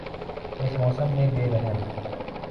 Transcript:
اس موسم میں بے رحم